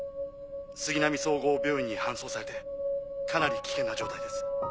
スギナミ総合病院に搬送されてかなり危険な状態です。